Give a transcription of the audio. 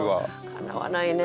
かなわないね。